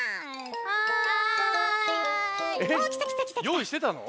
よういしてたの？